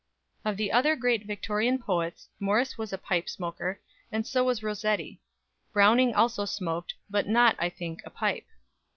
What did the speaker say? Of the other great Victorian poets Morris was a pipe smoker, and so was Rossetti. Browning also smoked, but not, I think, a pipe.